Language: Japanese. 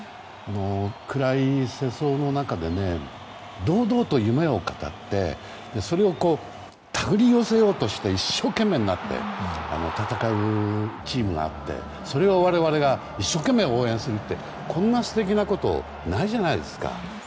暗い世相の中で堂々と夢を語ってそれを手繰り寄せようとして一生懸命になって戦うチームがあってそれを我々が一生懸命応援するってこんな素敵なことないじゃないですか。